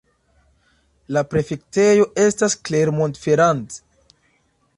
La prefektejo estas Clermont-Ferrand.